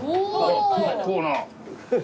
結構な。